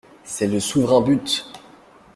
C'est le souverain but!